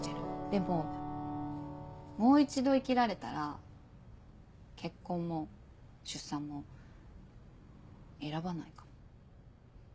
でももう一度生きられたら結婚も出産も選ばないかも。